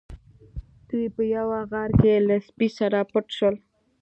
دوی په یوه غار کې له سپي سره پټ شول.